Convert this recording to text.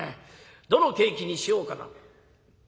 どのケーキにしようかな悩んでた。